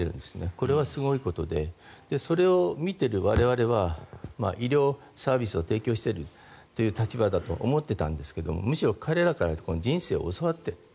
これはすごいことでそれを見ている我々は医療サービスを提供しているという立場だと思ってたんですがむしろ彼らから人生を教わっている。